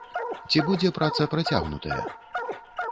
Ці будзе праца працягнутая?